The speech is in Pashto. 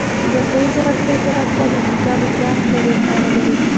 د مصنوعي ځیرکتیا چټکتیا د ډیټا مقدار پورې اړه لري.